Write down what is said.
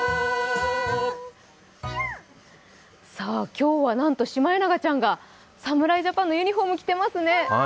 今日はなんと、シマエナガちゃんが侍ジャパンのユニフォームを着てますね。